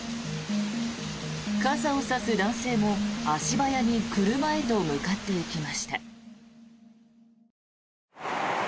傘を差す男性も足早に車へと向かっていきました。